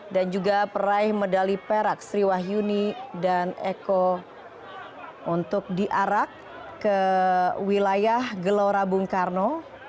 dan juga peraih medali perak sri wahyuni dan eko untuk diarak ke wilayah gelora bung karno